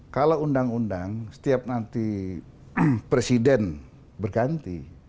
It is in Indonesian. kalau undang undang setiap nanti presiden berganti